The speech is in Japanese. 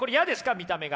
見た目が。